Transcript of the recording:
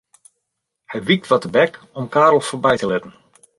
Hy wykt wat tebek om Karel foarby te litten.